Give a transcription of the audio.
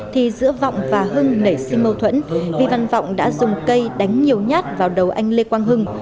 thì giữa vọng và hưng nảy sinh mâu thuẫn vi văn vọng đã dùng cây đánh nhiều nhát vào đầu anh lê quang hưng